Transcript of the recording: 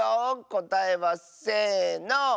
こたえはせの！